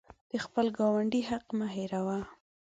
د خپل ګاونډي حق مه هیروه.